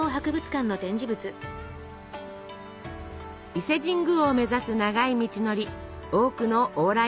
伊勢神宮を目指す長い道のり多くの往来がありました。